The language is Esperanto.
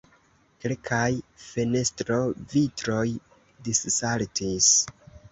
Kelkaj fenestrovitroj dissaltis.